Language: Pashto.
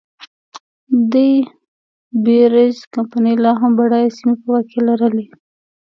ډي بیرز کمپنۍ لا هم بډایه سیمې په واک کې لرلې.